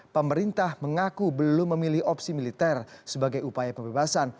pemerintah mengaku belum memilih opsi militer sebagai upaya pembebasan